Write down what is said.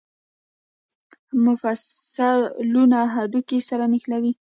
مفصلونه هډوکي سره نښلوي